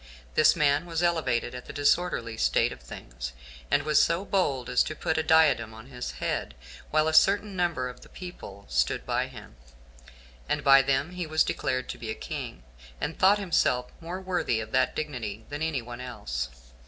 This man was elevated at the disorderly state of things, and was so bold as to put a diadem on his head, while a certain number of the people stood by him, and by them he was declared to be a king, and thought himself more worthy of that dignity than any one else.